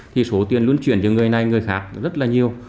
thì số tiền luôn chuyển cho người này người khác rất là nhiều